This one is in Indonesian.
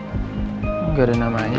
gak ada namanya